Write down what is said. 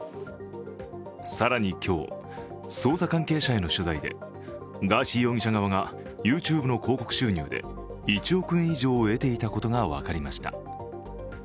更に今日、捜査関係者への取材でガーシー容疑者側がＹｏｕＴｕｂｅの広告収入で１億円以上を得ていたことが分かりました。